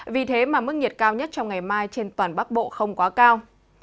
vì thế mà mức nhiệt cao nhất trong ngày mai trên toàn bắc bộ không quá cao